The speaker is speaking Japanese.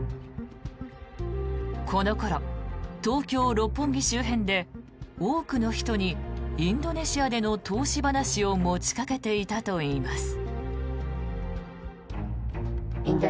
この頃、東京・六本木周辺で多くの人にインドネシアでの投資話を持ちかけていたといいます。